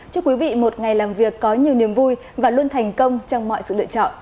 chúc quý vị một ngày làm việc có nhiều niềm vui và luôn thành công trong mọi sự lựa chọn